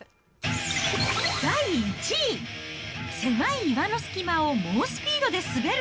第１位、狭い岩の隙間を猛スピードで滑る！